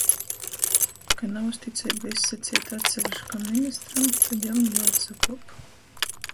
Ka nauzticeiba izsaceita atseviškam ministram, tod jam juoatsakuop